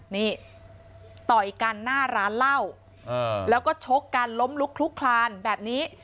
นี่ต่อยกันหน้าร้านเหล้าแล้วก็ชกกันล้มลุกคลุกคลานแบบนี้